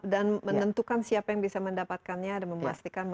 dan menentukan siapa yang bisa mendapatkannya dan memastikan